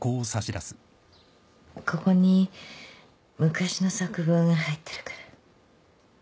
ここに昔の作文入ってるから。